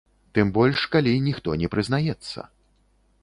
Тым больш калі ніхто не прызнаецца.